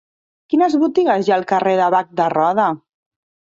Quines botigues hi ha al carrer de Bac de Roda?